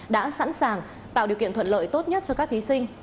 đã sẵn sàng tạo điều kiện thuận lợi tốt nhất cho các thí sinh